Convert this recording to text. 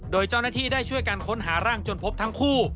โดยเจ้าหน้าที่ได้ช่วยกันค้นหาร่างจนพบทั้งคู่